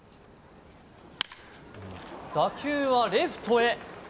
打球はレフトへ。